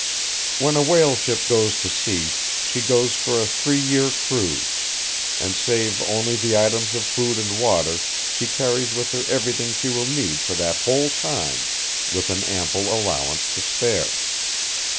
When a whaleship goes to sea, she goes for a three year cruise; and save only the items of food and water, she carries with her everything she will need for that whole time, with an ample allowance to spare.